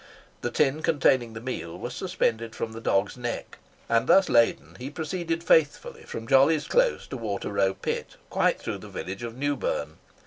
The tin containing the meal was suspended from the dog's neck, and, thus laden, he proceeded faithfully from Jolly's Close to Water row Pit, quite through the village of Newburn.